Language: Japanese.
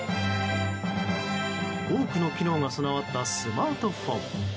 多くの機能が備わったスマートフォン。